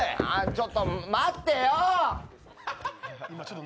ちょっと待ってよ。